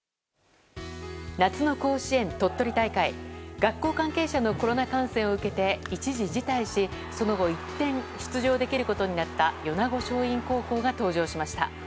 学校関係者のコロナ感染を受けて一時辞退しその後、一転出場できることになった米子松蔭高校が登場しました。